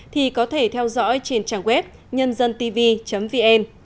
thì có thể theo dõi trên trang web nhândântv vn